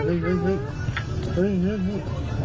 ลงลงมา